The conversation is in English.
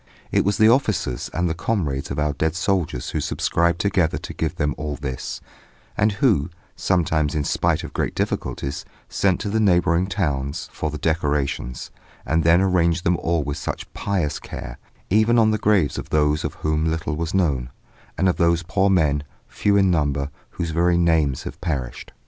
It was the officers and the comrades of our dead soldiers who subscribed together to give them all this, and who, sometimes in spite of great difficulties, sent to the neighbouring towns for the decorations, and then arranged them all with such pious care, even on the graves of those of whom little was known, and of those poor men, few in number, whose very names have perished.